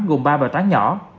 gồm ba bài toán nhỏ